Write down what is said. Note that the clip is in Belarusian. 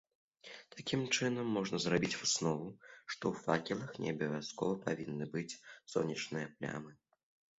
Такім чынам можна зрабіць выснову, што ў факелах не абавязкова павінны быць сонечныя плямы.